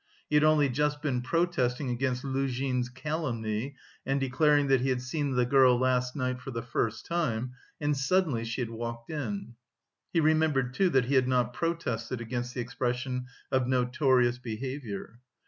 He had only just been protesting against Luzhin's calumny and declaring that he had seen the girl last night for the first time, and suddenly she had walked in. He remembered, too, that he had not protested against the expression "of notorious behaviour."